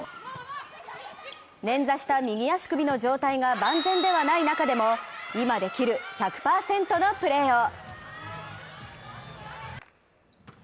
捻挫した右足首の状態が万全ではない中でも今できる１００％のプレーを。